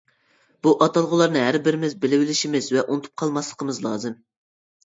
بۇ ئاتالغۇلارنى ھەر بىرىمىز بىلىۋېلىشىمىز ۋە ئۇنتۇپ قالماسلىقىمىز لازىم.